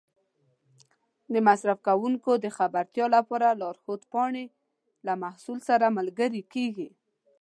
د مصرف کوونکو د خبرتیا لپاره لارښود پاڼې له محصول سره ملګري کېږي.